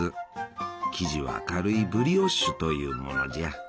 生地は軽いブリオッシュというものじゃ。